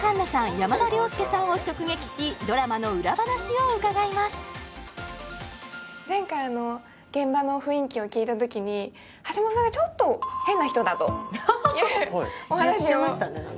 山田涼介さんを直撃しドラマの裏話を伺いますを聞いた時に橋本さんがちょっと変な人だというお話を言ってましたね